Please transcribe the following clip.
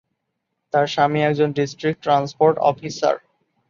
তার স্বামী একজন ডিস্ট্রিক্ট ট্রান্সপোর্ট অফিসার।